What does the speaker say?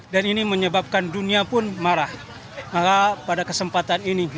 dan ini menyebabkan dunia pun marah pada kesempatan ini